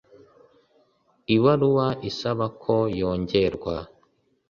ibaruwa isaba ko yongerwa